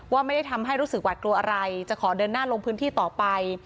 ว่าไม่ได้ทำให้รู้สึกหวาดกลัวอะไรจะขอเดินหน้าลงพื้นที่ต่อไป